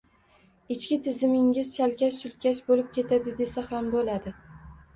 Ichki tizimingiz chalkash-chulkash bo‘lib ketadi desa ham bo‘ladi.